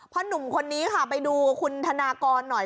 หนุ่มคนนี้ค่ะไปดูคุณธนากรหน่อย